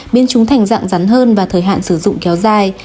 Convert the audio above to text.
biến chúng thành dạng rắn hơn và thời hạn sử dụng kéo dài